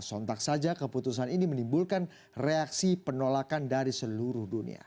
sontak saja keputusan ini menimbulkan reaksi penolakan dari seluruh dunia